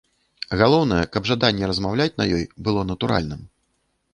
Галоўнае, каб жаданне размаўляць на ёй было натуральным.